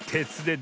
で